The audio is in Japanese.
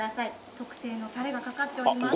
特製のタレがかかっております。